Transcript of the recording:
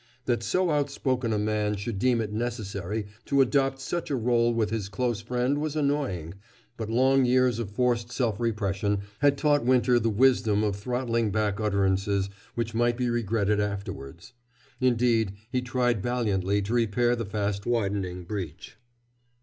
That so outspoken a man should deem it necessary to adopt such a rôle with his close friend was annoying, but long years of forced self repression had taught Winter the wisdom of throttling back utterances which might be regretted afterwards. Indeed, he tried valiantly to repair the fast widening breach.